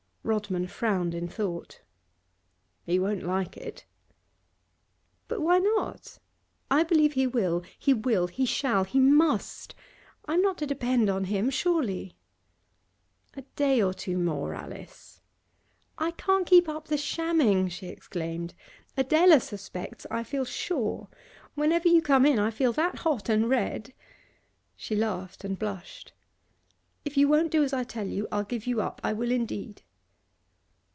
Rodman frowned in thought. 'He won't like it.' 'But why not? I believe he will. He will, he shall, he must! I'm not to depend on him, surely?' 'A day or two more, Alice.' 'I can't keep up the shamming!' she exclaimed. 'Adela suspects, I feel sure. Whenever you come in I feel that hot and red.' She laughed and blushed. 'If you won't do as I tell you, I'll give you up, I will indeed!